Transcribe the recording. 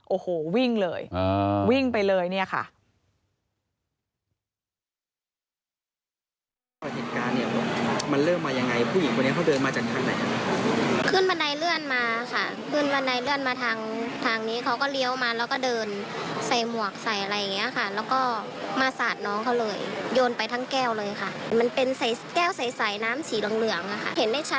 โอ้โหวิ่งเลยวิ่งไปเลยเนี่ยค่ะ